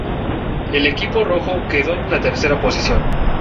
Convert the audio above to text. El equipo rojo quedó en la tercera posición.